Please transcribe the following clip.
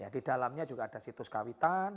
di dalamnya juga ada situs kawitan